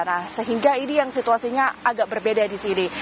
nah sehingga ini yang situasinya agak berbeda di sini